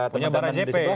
punya barang jp